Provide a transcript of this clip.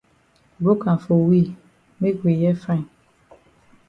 Broke am for we make we hear fine.